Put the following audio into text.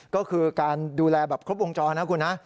ก็คือการดูแลแบบครบวงจรนะคุณนะ